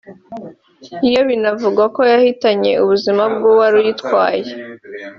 yo binavugwa ko yahitanye ubuzima bw’uwari uyitwaye